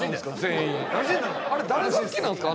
全員あれ誰が好きなんですか？